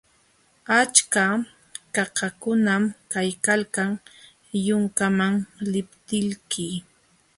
Achka qaqakunam kaykalkan yunkaman liptiyki.